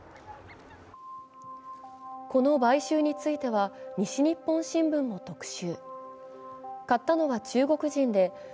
この買収については西日本新聞も特集。